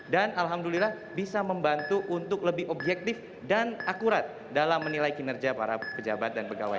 dan alhamdulillah bisa membantu untuk lebih objektif dan akurat dalam menilai kinerja para pejabat dan pegawai